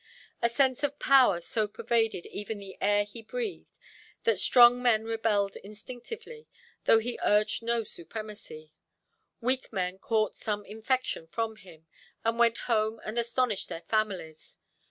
A sense of power so pervaded even the air he breathed, that strong men rebelled instinctively, though he urged no supremacy; weak men caught some infection from him, and went home and astonished their families.